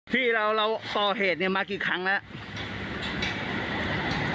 ที่เราก่อเหตุเนี่ยมากี่ครั้งแล้ว